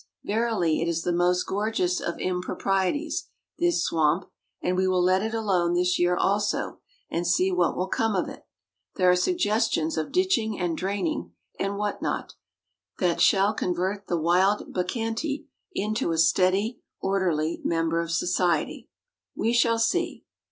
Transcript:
Verily it is the most gorgeous of improprieties, this swamp; and we will let it alone this year also, and see what will come of it. There are suggestions of ditching and draining, and what not, that shall convert the wild bacchante into a steady, orderly member of society. We shall see.